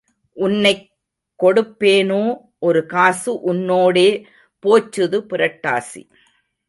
உன்னைக் கொடுப்பேனோ ஒரு காசு உன்னோடே போச்சுது புரட்டாசி.